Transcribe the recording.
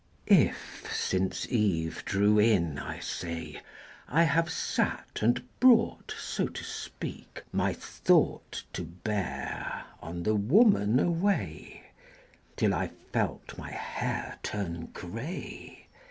V. If since eve drew in, I say, I have sat and brought (So to speak) my thought To bear on the woman away, Till I felt my hair turn grey VI.